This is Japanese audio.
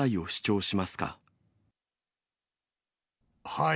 はい。